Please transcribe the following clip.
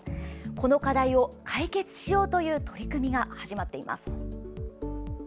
この課題を解決しようという取り組みが始まっています。